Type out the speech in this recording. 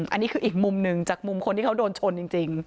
อันนี้คืออีกมุมหนึ่งจากมุมคนที่เขาโดนชนจริง